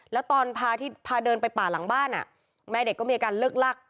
แล้วตอนพาที่พาเดินไปป่าหลังบ้านแม่เด็กก็มีอาการเลิกลัก